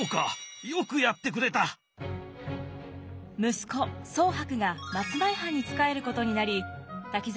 息子宗伯が松前藩に仕えることになり滝沢